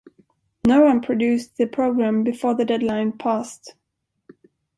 No one produced the program before the deadline passed.